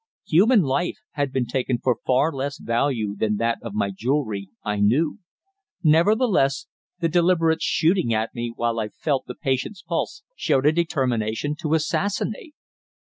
Human life had been taken for far less value than that of my jewellery, I knew; nevertheless, the deliberate shooting at me while I felt the patient's pulse showed a determination to assassinate.